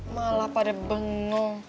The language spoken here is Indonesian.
malah pada bengong